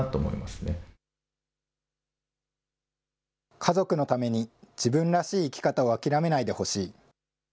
家族のために、自分らしい生き方を諦めないでほしい。